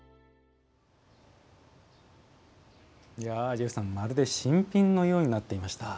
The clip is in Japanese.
ジェフさん、まるで新品のようになっていました。